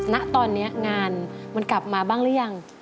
ณตอนนี้งานมันกลับมาบ้างหรือยัง